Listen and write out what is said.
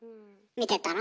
見てたの？